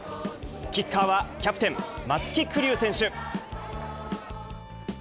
キッカーはキャプテン、松木玖星選手。